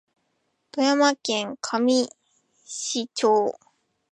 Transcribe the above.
富山県上市町